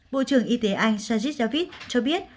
bộ trưởng y tế anh sajid javid cho biết